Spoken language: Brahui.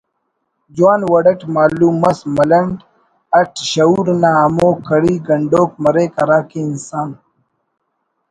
جوان وڑ اٹ معلوم مس ملنڈ اٹ شعور نا ہمو کڑی گنڈوک مریک ہراکہ انسان